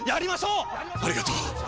ありがとう！